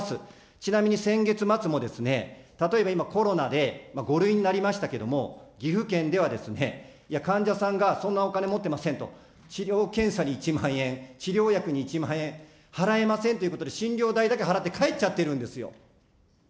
ちなみに先月末も、例えば今、コロナで５類になりましたけれども、岐阜県では、患者さんがそんなお金持ってませんと、治療検査に１万円、治療薬に１万円、払えませんということで、診療代だけ払って帰っちゃってるんですよ。